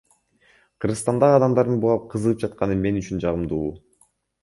Кыргызстандагы адамдардын буга кызыгып жатканы мен үчүн жагымдуу.